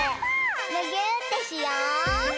むぎゅーってしよう！